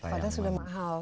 padahal sudah mahal